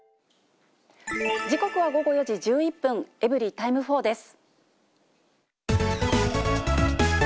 時刻は午後４時１１分、エブリィタイム４です。